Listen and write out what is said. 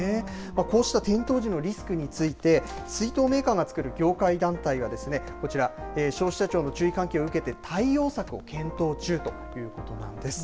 こうした転倒時のリスクについて水筒メーカーが作る業界団体はこちら消費者庁の注意喚起を受けて対応策を検討中ということなんです。